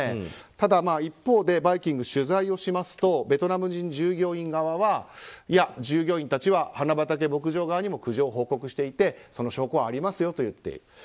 ただ一方で「バイキング」取材をしますとベトナム人従業員側は従業員たちは花畑牧場側にも苦情を報告していてその証拠はありますよと言っている。